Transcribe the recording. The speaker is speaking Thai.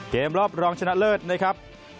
เกมรอบรองชนะเลิศนะครับ